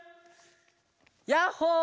ヤッホー！